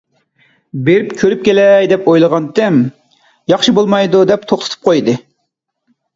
بېرىپ كۆرۈپ كېلەي دەپ ئويلىغانتىم. ياخشى بولمايدۇ، دەپ توختىتىپ قويدى.